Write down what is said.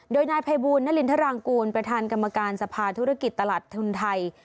โดยนายภัยบูลนรินทรางกูลประธานกรรมการสภาธุรกิจตลาดทุนไทย